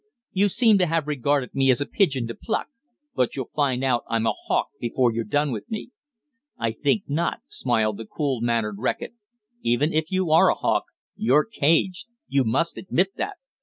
You seem to have regarded me as a pigeon to pluck. But you'll find out I'm a hawk before you've done with me." "I think not," smiled the cool mannered Reckitt. "Even if you are a hawk, you're caged. You must admit that!"